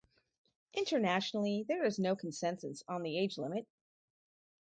Internationally there is no consensus on the age limit.